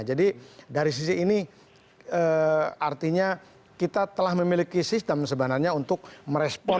jadi dari sisi ini artinya kita telah memiliki sistem sebenarnya untuk merespon kasus kesehatan